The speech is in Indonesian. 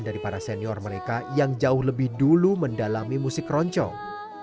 dari para senior mereka yang jauh lebih dulu mendalami musik keroncong